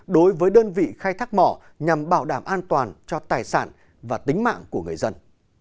đối với đơn vị khai thác mỏ nhằm bảo đảm an toàn cho tài sản và tính mạng của người dân